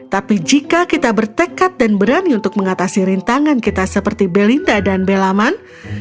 tapi jika kita bertekad dan berani untuk mengatasi rintangan kita seperti belinda dan belaman